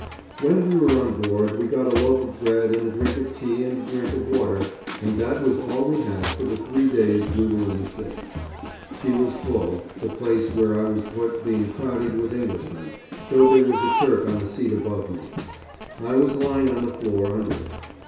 When we went on board we got a loaf of bread and a drink of tea and a drink of water, and that was all we had for the three days we were in the ship. She was full, the place where I was put being crowded with Englishmen, though there was a Turk on a seat above me. I was lying on the floor under it.